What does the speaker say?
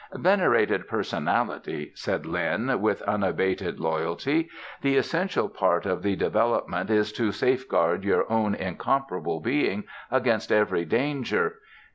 "Venerated personality," said Lin, with unabated loyalty, "the essential part of the development is to safeguard your own incomparable being against every danger.